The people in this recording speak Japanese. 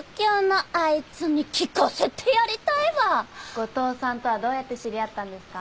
後藤さんとはどうやって知り合ったんですか？